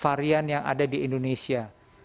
varian yang ada di indonesia